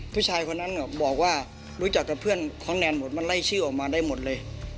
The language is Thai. ผู้ชายคนนั้นบอกว่ารู้จักแต่เพื่อนของแนนหมดมันไล่ชื่อออกมาได้หมดเลย